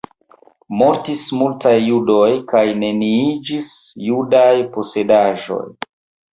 Mortis multaj judoj kaj neniiĝis judaj posedaĵoj.